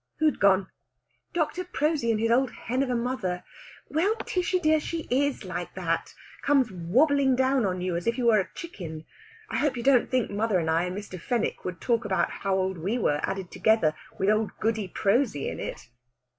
"Who'd gone?" "Dr. Prosy and his old hen of a mother. Well, Tishy dear, she is like that. Comes wobbling down on you as if you were a chicken! I hope you don't think mother and I and Mr. Fenwick would talk about how old we were added together, with old Goody Prosy in it!"